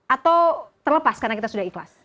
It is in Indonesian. atau terlepas karena kita sudah ikhlas